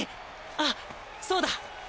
あっそうだ。